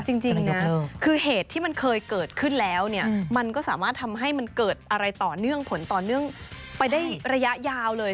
จริงนะคือเหตุที่มันเคยเกิดขึ้นแล้วเนี่ยมันก็สามารถทำให้มันเกิดอะไรต่อเนื่องผลต่อเนื่องไปได้ระยะยาวเลย